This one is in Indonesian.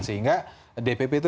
sehingga dpp itu